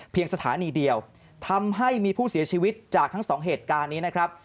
สถานีเดียวทำให้มีผู้เสียชีวิตจากทั้งสองเหตุการณ์นี้นะครับ